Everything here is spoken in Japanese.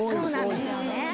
そうなんですよね。